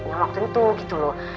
yang waktu itu gitu loh